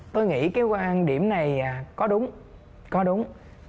tôi nghĩ cái quan điểm này có đúng có đúng